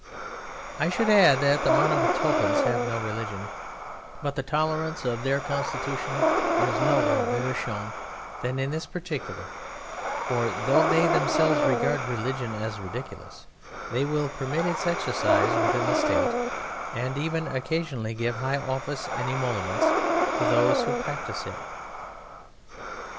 I should add that the Monomotapans have no religion; but the tolerance of their Constitution is nowhere better shown than in this particular, for though they themselves regard religion as ridiculous, they will permit its exercise within the State, and even occasionally give high office and emoluments to those who practise it.